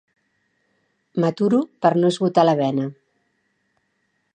M'aturo per no esgotar la vena.